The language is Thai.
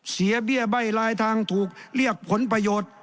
เบี้ยใบ้ลายทางถูกเรียกผลประโยชน์